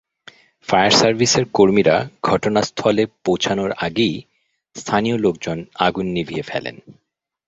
Fire সার্ভিসের কর্মীরা ঘটনাস্থলে পৌঁছানোর আগেই স্থানীয় লোকজন আগুন নিভিয়ে ফেলেন।